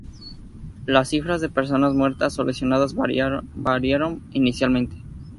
Las cifras de personas muertas o lesionadas variaron inicialmente.